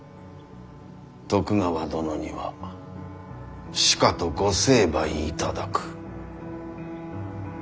徳川殿にはしかとご成敗いただく。